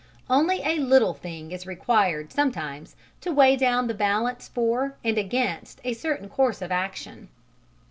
Only a little thing is required sometimes to weigh down the balance for and against a certain course of action.